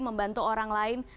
membantu orang lain